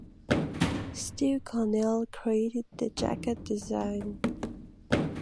Steve Connell created the jacket design.